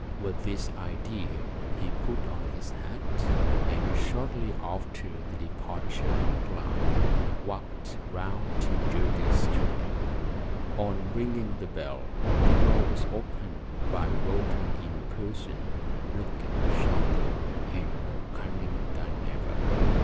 With this idea he put on his hat, and shortly after the departure of Clyne walked round to Jersey Street. On ringing the bell, the door was opened by Rhoda in person, looking sharper and more cunning than ever.